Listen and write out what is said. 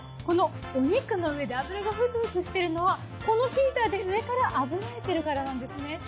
このお肉の上で油がフツフツしてるのはこのヒーターで上から炙られてるからなんですね。